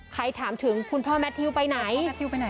ใครถามถึงคุณพ่อแมททิวไปไหนคุณพ่อแมททิวไปไหน